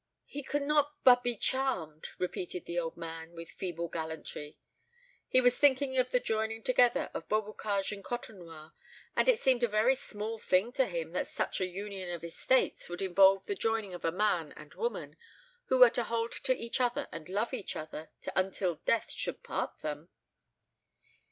"He could not but be charmed," repeated the old man, with feeble gallantry. He was thinking of the joining together of Beaubocage and Côtenoir; and it seemed a very small thing to him that such a union of estates would involve the joining of a man and woman, who were to hold to each other and love each other until death should part them.